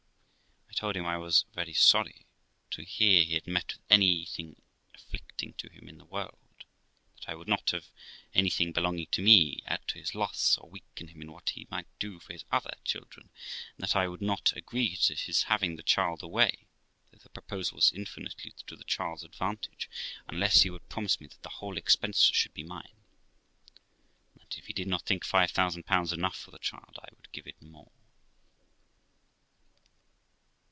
I told him I was very sorry to hear he had met with anything afflicting to him in the world; that I would not have anything belonging to me add to his loss, or weaken him in what he might do for his other children; and that I would not agree to his having the child away, though the proposal was infinitely to the child's advantage, unless he would promise me that the whole expense should be mine, and that, if he did not think 5000 enough for the child, I would give it more.